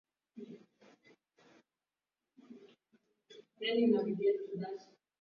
za uhamasishaji wa jamii na ukumbatiaji wa mifumo bora ya kuripoti matukio inayochangia mafanikio